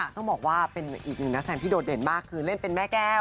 ต้องบอกว่าเป็นอีกหนึ่งนักแสดงที่โดดเด่นมากคือเล่นเป็นแม่แก้ว